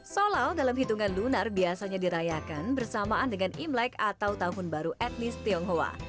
solal dalam hitungan lunar biasanya dirayakan bersamaan dengan imlek atau tahun baru etnis tionghoa